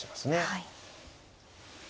はい。